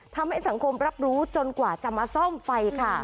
ทำให้สังคมรับรู้จนกว่าจะมาซ่อมไฟค่ะ